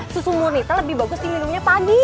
susu murita lebih bagus diminumnya pagi